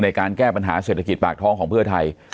ในการแก้ปัญหาเศรษฐกิจปากท้องของเพื่อไทย